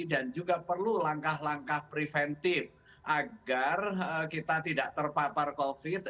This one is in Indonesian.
dan juga perlu langkah langkah preventif agar kita tidak terpapar covid sembilan belas